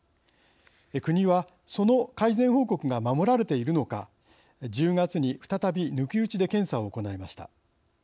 国はその改善報告が守られているのか１０月に再び抜き打ちで検査を行いました。